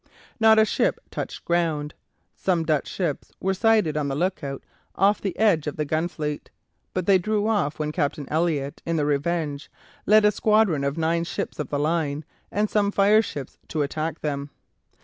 Not a ship touched ground. Some Dutch ships were sighted on the look out off the edge of the Gunfleet, but they drew off when Captain Elliot, in the "Revenge," led a squadron of nine ships of the line and some fireships to attack them.